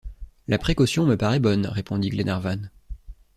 La précaution me paraît bonne, répondit Glenarvan.